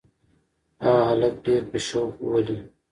هغه هلک ډېر په شوق لولي.